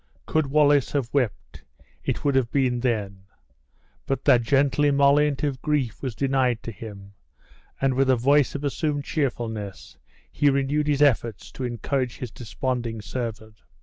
Could Wallace have wept, it would have been then; but that gentle emollient of grief was denied to him, and, with a voice of assumed cheerfulness, he renewed his efforts to encourage his desponding servant.